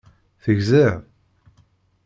Tegziḍ?